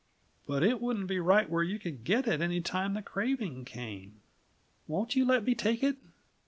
"But it wouldn't be right where you could get it any time the craving came. Won't you let me take it?"